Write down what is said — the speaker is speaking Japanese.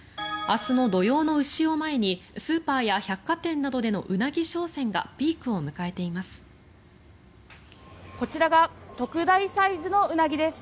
明日の土用の丑を前にスーパーや百貨店などでのウナギ商戦がピークを迎えています。